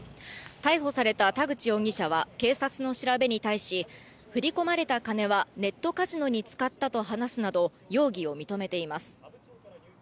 逮捕された田口容疑者は警察の調べに対し、振り込まれた金はネットカジノに使ったと話すなど容疑を認めています。